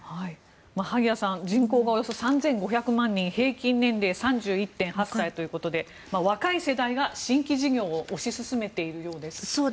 萩谷さん人口がおよそ３５００万人平均年齢３１．８歳ということで若い世代が新規事業を推し進めているようです。